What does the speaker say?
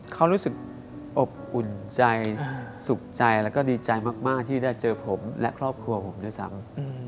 เขารู้สึกอบอุ่นใจสุขใจแล้วก็ดีใจมากที่ได้เจอผมและครอบครัวผมด้วยซ้ำ